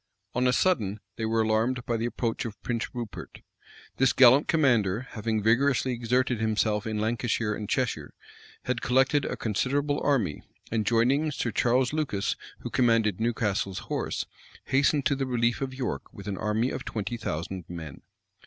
On a sudden, they were alarmed by the approach of Prince Rupert. This gallant commander, having vigorously exerted himself in Lancashire and Cheshire, had collected a considerable army; and joining Sir Charles Lucas, who commanded Newcastle's horse, hastened to the relief of York with an army of twenty thousand men.